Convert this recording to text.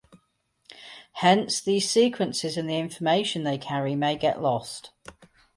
Hence, these sequences and the information they carry may get lost.